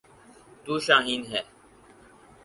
'تو شاہین ہے۔